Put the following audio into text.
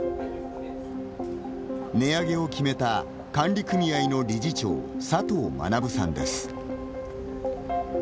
値上げを決めた管理組合の理事長佐藤学さんです。